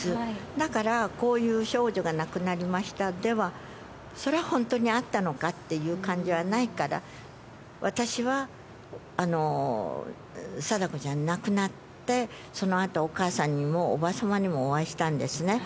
だから、こういう少女が亡くなりましたでは、それは本当にあったのかっていう感じはないから、私は、禎子ちゃん亡くなって、そのあと、お母さんにもおばさまにもお会いしたんですね。